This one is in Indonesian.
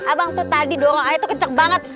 abang tuh tadi dorong ayah tuh kecek banget